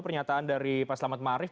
pernyataan dari pak selamat marif